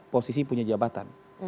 posisi punya jabatan